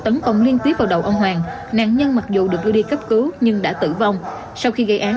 tấn công liên tiếp vào đầu ông hoàng nạn nhân mặc dù được đưa đi cấp cứu nhưng đã tử vong sau khi gây án